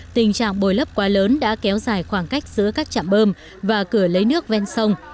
tình trạng bồi lấp quá lớn đã kéo dài khoảng cách giữa các trạm bơm và cửa lấy nước ven sông